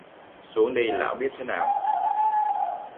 Xuống đi...lão biết thế nào